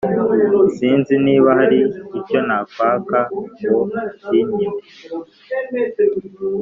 Sinzi niba hari icy nakwaka ng ukinyime